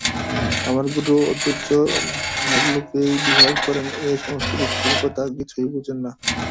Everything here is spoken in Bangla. আমার গুরু অত্যুচ্চ ভাবলোকেই বিহার করেন, এ-সমস্ত পৃথিবীর কথা কিছুই বোঝেন না।